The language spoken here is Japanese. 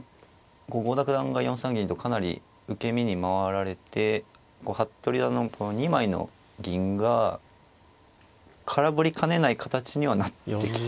郷田九段が４三銀とかなり受け身に回られて服部四段のこの２枚の銀が空振りかねない形にはなってきてるんですよね。